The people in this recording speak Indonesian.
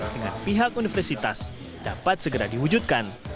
dengan pihak universitas dapat segera diwujudkan